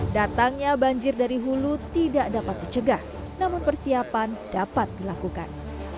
datangnya banjir dari hulu tidak dapat dicegah namun persiapan dapat dilakukan